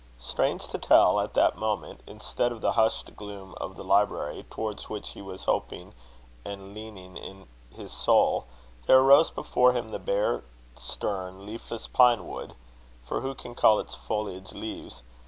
Strange to tell, at that moment, instead of the hushed gloom of the library, towards which he was hoping and leaning in his soul, there arose before him the bare, stern, leafless pine wood for who can call its foliage leaves?